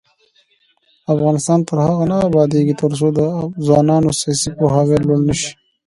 افغانستان تر هغو نه ابادیږي، ترڅو د ځوانانو سیاسي پوهاوی لوړ نشي.